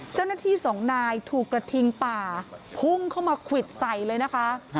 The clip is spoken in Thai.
เจ้าหน้าที่สองนายถูกกระทิงป่าพุ่งเข้ามาควิดใส่เลยนะคะ